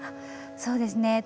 そうですね